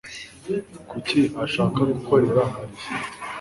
Kuki ashaka gukorera Mariya?